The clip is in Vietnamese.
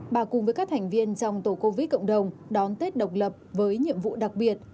bà cùng với các thành viên trong tổ covid cộng đồng đón tết độc lập với nhiệm vụ đặc biệt